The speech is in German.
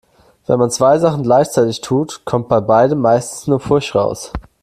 Wenn man zwei Sachen gleichzeitig tut, kommt bei beidem meistens nur Pfusch raus.